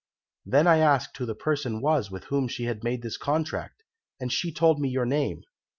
"'I then asked who the person was with whom she had made this contract, and she told me your name.